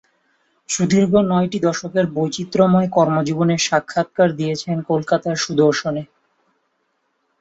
সুদীর্ঘ নয়টি দশকের বৈচিত্র্যময় কর্মজীবনের সাক্ষাৎকার দিয়েছেন কলকাতার দূরদর্শনে।